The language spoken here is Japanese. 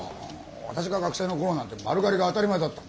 私が学生の頃なんて丸刈りが当たり前だったんだ。